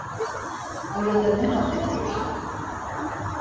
Orada ne halt ediyorsun?